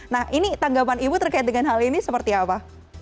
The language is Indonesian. nah ini tanggapan ibu terkait dengan hal ini seperti apa